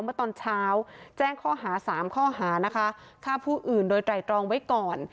เมื่อตอนเช้าแจ้งข้อหา๓ข้อหานะคะฆ่าผู้อื่นโดยไตรตรองไว้ก่อน